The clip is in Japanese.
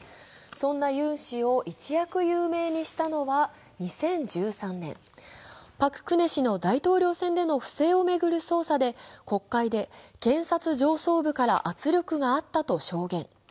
そんなユン氏を一躍有名にしたのは２０１３年、パク・クネ氏の大統領選での不正を巡る捜査で、国会で検察上層部から圧力があったと証言。